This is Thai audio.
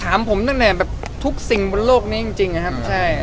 ถามผมตั้งแต่แบบทุกสิ่งบนโลกแล้วก็ใช่